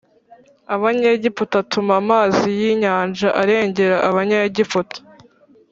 Abanyegiputa atuma amazi y inyanja arengera Abanyegiputa